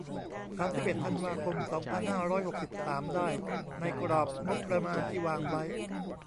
สามสิบเอ็ด ธันวาคม สองพันห้าร้อยหกสิบสาม ได้ ในกรอบงบประมาณที่วางไว้